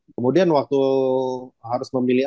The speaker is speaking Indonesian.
kemudian waktu harus memilih